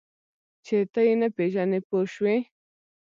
چې ته یې نه پېژنې پوه شوې!.